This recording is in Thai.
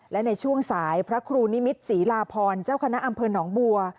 และในช่วงสายพระครูนิมิตรศรีลาพรเจ้าคณะอำเภอหนองบัว